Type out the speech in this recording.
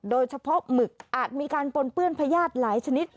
โดยเฉพาะหมึกอาจมีการปนเปื้อนพยาธิหลายชนิด